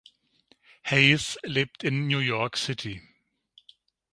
Hayes lebt in New York City.